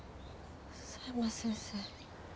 佐山先生。